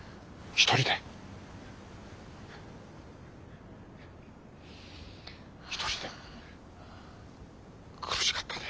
１人で苦しかったね。